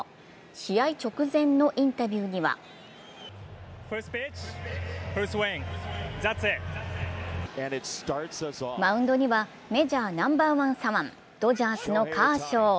試合直前のインタビューにはマウンドにはメジャーナンバーワン左腕、ドジャースのカーショー。